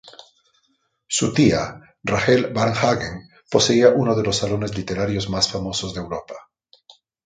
Su tía, Rahel Varnhagen, poseía uno de los salones literarios más famosos de Europa.